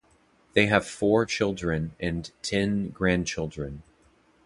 They have four children and ten grandchildren.